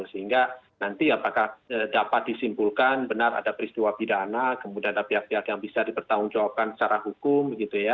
sehingga nanti apakah dapat disimpulkan benar ada peristiwa pidana kemudian ada pihak pihak yang bisa dipertanggungjawabkan secara hukum